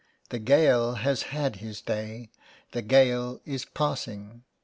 " The Gael has had his day. The Gael is passing."